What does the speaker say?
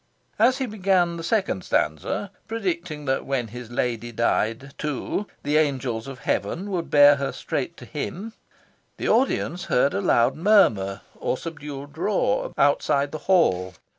As he began the second stanza, predicting that when his lady died too the angels of heaven would bear her straight to him, the audience heard a loud murmur, or subdued roar, outside the Hall.